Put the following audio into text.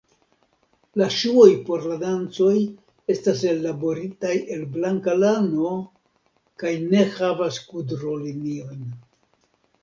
La ŝuoj por la dancoj estas ellaboritaj el blanka lano kaj ne havas kudroliniojn.